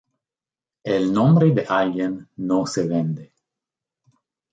El nombre de alguien no se vende.